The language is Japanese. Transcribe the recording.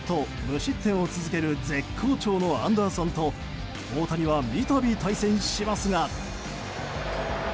無失点を続ける絶好調のアンダーソンと大谷は三度対戦しますが。